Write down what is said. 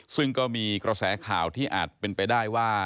ซึ่งก็มีกระแสข่าวที่อาจเป็นไปได้ว่า